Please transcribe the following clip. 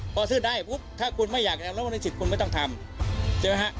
พอซื้อได้ถ้าคุณไม่อยากแล้วแล้วในสิทธิ์คุณไม่ต้องทำใช่ไหมคะ